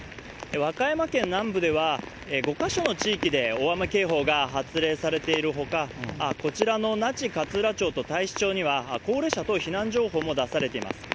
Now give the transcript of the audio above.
和歌山県南部では、５か所の地域で大雨警報が発令されているほか、こちらの那智勝浦町と太子町には高齢者等避難情報も出されています。